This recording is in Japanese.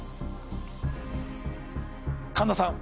神田さん